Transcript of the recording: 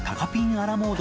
ア・ラ・モード